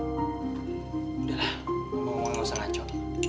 udah lah ngomong ngomong gak usah ngacau